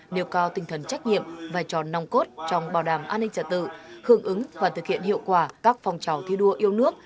điều cao tinh thần trách nhiệm và tròn nong cốt trong bảo đảm an ninh trả tự hưởng ứng và thực hiện hiệu quả các phong trào thi đua yêu nước